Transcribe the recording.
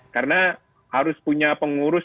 karena harus punya pengurus